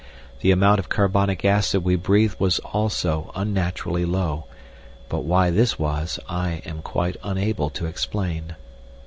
The amount of carbonic acid we breathed was also unnaturally low, but why this was, I am quite unable to explain.